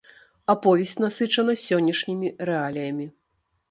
Аповесць насычана сённяшнімі рэаліямі.